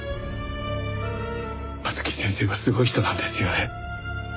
松木先生はすごい人なんですよね？